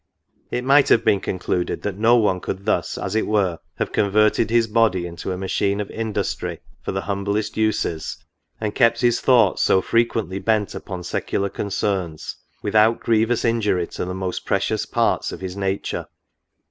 It might have been concluded that no one could thus, as it were, have converted his body into a machine of industry for the humblest uses, and kept his thoughts so frequently bent upon secular concerns, without grievous injury to the more precious parts of his nature.